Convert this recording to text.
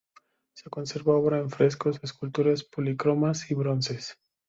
Se conserva obra en frescos, esculturas polícromas y bronces.